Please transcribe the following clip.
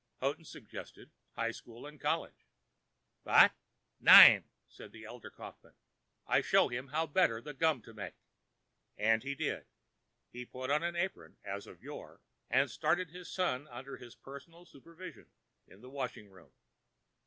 Houghton suggested high school and college. "Vat? Nein!" said the elder Kaufmann. "I show him how better the gum to make." And he did. He put on an apron as of yore and started his son under his personal supervision in the washing room.